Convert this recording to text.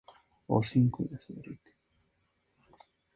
Recogió a Gruffudd con sus cadenas, y lo sacó de la ciudad a hombros.